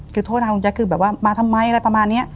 คือโทษนะคุณแจ๊คคือแบบว่ามาทำไมอะไรประมาณนี้